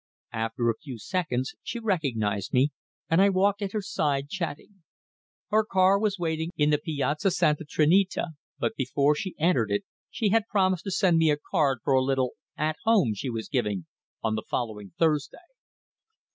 After a few seconds she recognized me, and I walked at her side chatting. Her car was waiting in the Piazza Santa Trinita, but before she entered it she had promised to send me a card for a little "at home" she was giving on the following Thursday.